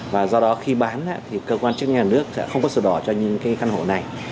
và do đó khi bán thì cơ quan chức nhà nước sẽ không có sổ đỏ cho những cái căn hộ này